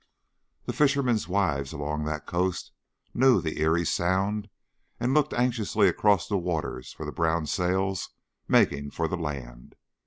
The fishermen's wives along that coast know the eerie sound, and look anxiously across the waters for the brown sails making for the land.